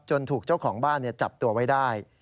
ถูกเจ้าของบ้านจับตัวไว้ได้